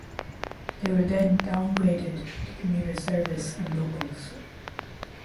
They were then downgraded to commuter service and locals.